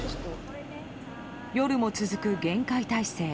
夜も続く厳戒態勢。